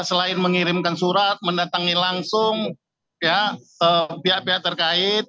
selain mengirimkan surat mendatangi langsung pihak pihak terkait